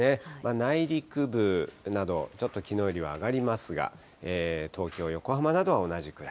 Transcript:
内陸部など、ちょっときのうよりは上がりますが、東京、横浜などは同じぐらい。